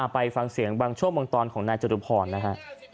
ไปฟังเสียงบางช่วงบางตอนของนายจตุพรนะฮะ